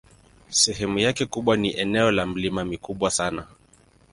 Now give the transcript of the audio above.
Sehemu yake kubwa ni eneo la milima mikubwa sana.